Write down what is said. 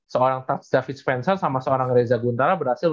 seorang david spencel sama seorang reza guntara berhasil